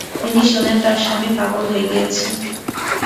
তিনি শোনেন, তার স্বামী পাগল হয়ে গেছেন।